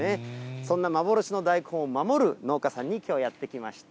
そんな幻の大根を守る農家さんに、きょうはやって来ました。